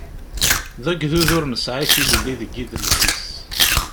D agdud ur nesɛi tilelli deg idles-is.